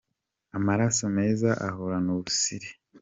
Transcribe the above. Amaraso meza ahorana ubusire